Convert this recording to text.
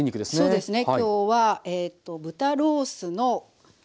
そうですね。